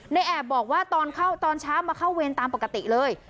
นายแอบบอกว่าตอนเช้ามาเข้าเวรตามปกติเลย